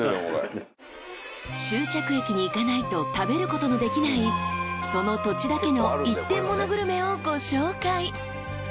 ［終着駅に行かないと食べることのできないその土地だけの一点モノグルメをご紹介］